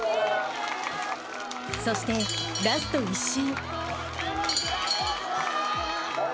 そして、ラスト１周。